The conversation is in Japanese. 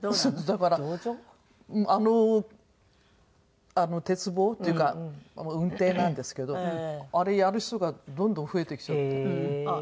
あのあの鉄棒っていうかうんていなんですけどあれやる人がどんどん増えてきちゃって。